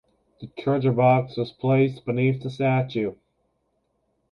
The treasure box was placed beneath the statue.